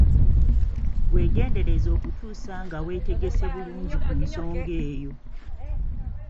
Weegendereze okutuusa nga weetegese bulungi ku nsonga eyo.